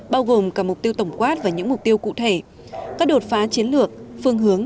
bao gồm cả mục tiêu tổng quát và những mục tiêu cụ thể các đột phá chiến lược phương hướng